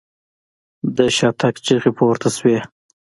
د شاته تګ چيغې پورته شوې.